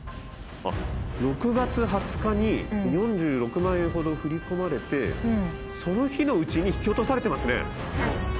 ６月２０日に４６万円ほど振り込まれてその日のうちに引き落とされてますね。